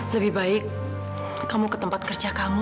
lebih baik kamu ke tempat kerja kamu